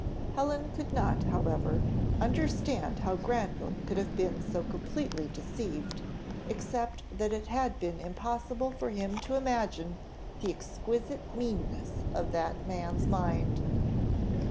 Helen could not, however, understand how Granville could have been so completely deceived, except that it had been impossible for him to imagine the exquisite meanness of that man's mind.